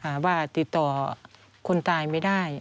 ว่าติดต่อคนตายไม่ได้